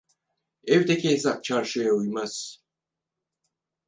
Evdeki hesap çarşıya uymaz.